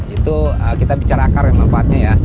itu kita bicara akarnya manfaatnya ya